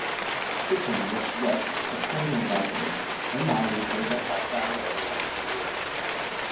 適逢六、日及公眾假期，喺馬料水有得搭街渡去荔枝窩